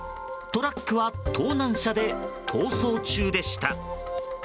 トラックは盗難車で逃走中でした。